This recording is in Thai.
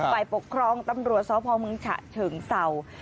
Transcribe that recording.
ไปปกครองตำรวจซ้อมพลเมืองฉะเฉิงเศร้า